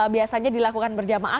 biasanya dilakukan berjamaah